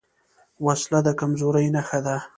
وسله د کمزورۍ نښه ده